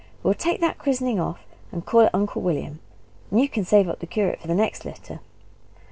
We'll take that christening off, and call it Uncle William. And you can save up the curate for the next litter!"